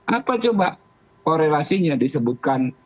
apa coba korelasinya disebutkan